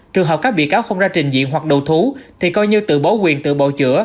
trường hợp các bị cáo không ra trình diện hoặc đồ thú thì coi như tự bố quyền tự bầu chữa